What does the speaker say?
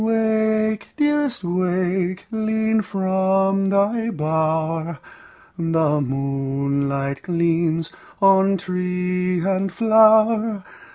Wake, dearest, wake! lean from thy bower, The moonlight gleams on tree and flower.